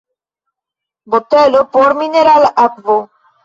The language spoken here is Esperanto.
Botelo por minerala akvo.